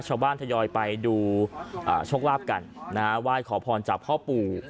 ชาวบ้านทะยอยไปดูอ่าโชคลาภกันน่าไหว้ขอพรจากท่อปู่